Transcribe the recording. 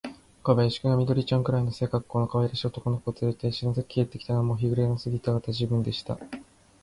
小林君が、緑ちゃんくらいの背かっこうのかわいらしい男の子をつれて、篠崎家へやってきたのは、もう日の暮れがた時分でした。